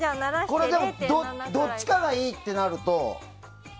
これ、どっちかがいいってなると。